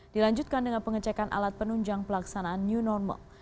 dilanjutkan dengan pengecekan alat penunjang pelaksanaan new normal